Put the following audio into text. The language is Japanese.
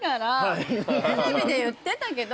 テレビで言ってたけど。